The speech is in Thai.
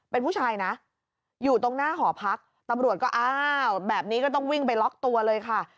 เป็นผู้ชายนะอยู่ตรงหน้าหอพักตำรวจก็อ้าวแบบนี้ก็ต้องวิ่งไปล็อกตัวเลยค่ะ